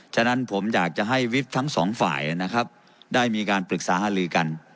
ฉะนั้นผมอยากจะให้วิบทั้งสองฝ่ายนะครับได้มีการปรึกษาหาลือกัน